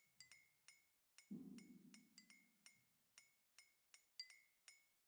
அந்த தலையோடு நன்றாகச் சிரைக்கப்பட்டிருந்தது.